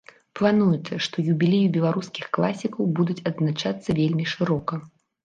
Плануецца, што юбілеі беларускіх класікаў будуць адзначацца вельмі шырока.